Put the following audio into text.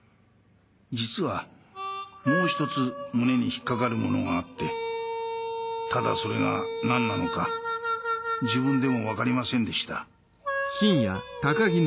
実はもうひとつ胸に引っかかるものがあってただそれが何なのか自分でもわかりませんでした